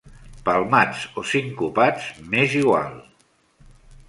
Palmats o sincopats, m'és igual.